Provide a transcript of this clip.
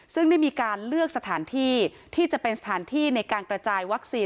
ซึ่งได้มีการเลือกสถานที่ที่จะเป็นสถานที่ในการกระจายวัคซีน